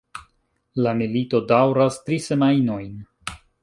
La milito daŭras tri semajnojn.